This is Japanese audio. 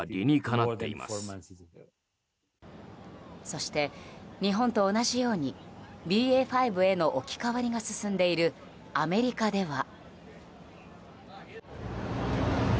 そして、日本と同じようにＢＡ．５への置き換わりが進んでいるアメリカでは。